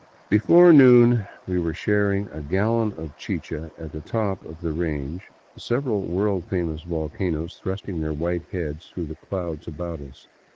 Before noon we were sharing a gallon of chicha at the top of the range, several world famous volcanoes thrusting their white heads through the clouds about us.